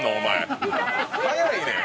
早いねん！